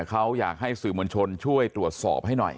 ต้องให้สื่อมวลชนช่วยตรวจสอบให้